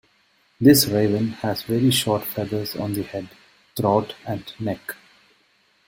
This raven has very short feathers on the head, throat and neck.